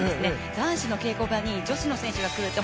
男子の稽古場に女子の選手が来るって